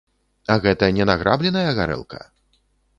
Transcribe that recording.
А гэта не награбленая гарэлка?